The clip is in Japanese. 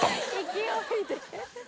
勢いで